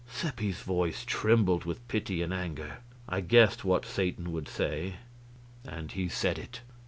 Seppi's voice trembled with pity and anger. I guessed what Satan would say, and he said it.